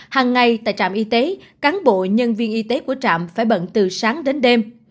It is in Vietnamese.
hàng ngày tại trạm y tế cán bộ nhân viên y tế của trạm phải bận từ sáng đến đêm